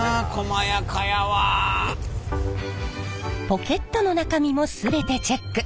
ポケットの中身も全てチェック！